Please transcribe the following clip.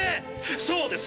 そうです！